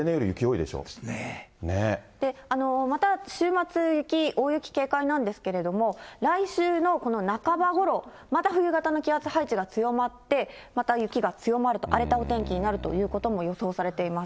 で、また週末、雪、大雪警戒なんですけれども、来週のこの半ばごろ、また冬型の気圧配置が強まって、また雪が強まると、荒れたお天気になるということも予想されています。